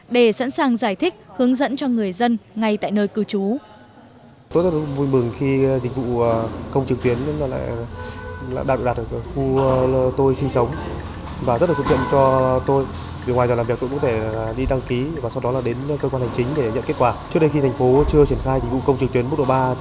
để sẵn sàng giải thích hướng dẫn cho người dân ngay tại nơi cư trú